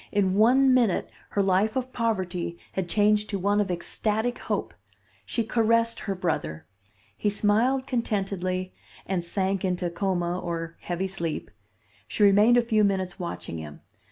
In one minute her life of poverty had changed to one of ecstatic hope. She caressed her brother. He smiled contentedly, and sank into coma or heavy sleep. She remained a few minutes watching him.